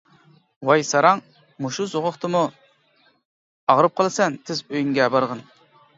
-ۋاي ساراڭ مۇشۇ سوغۇقتىمۇ؟ ئاغرىپ قالىسەن تىز ئۆيۈڭگە بارغىن.